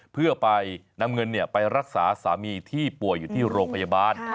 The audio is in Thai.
เพื่อไปนำเงินไปรักษาสามีที่ป่วยอยู่ที่โรงพยาบาล